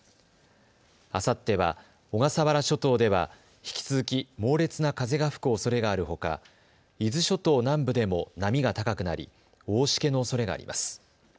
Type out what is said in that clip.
あさっては小笠原諸島では引き続き猛烈な風が吹くおそれがあるほか、伊豆諸島南部でも波が高くなり大しけのおそれがあります。